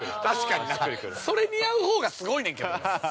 それ似合うほうがすごいねんけど。